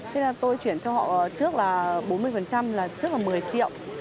thế là tôi chuyển cho họ trước là bốn mươi là trước là một mươi triệu